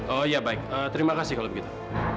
oh ya baik terima kasih kalau begitu